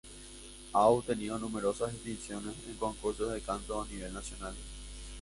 Ha obtenido numerosas distinciones en concursos de canto a nivel nacional.